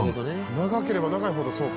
長ければ長いほどそうか。